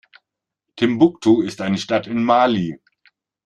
Timbuktu ist eine Stadt in Mali.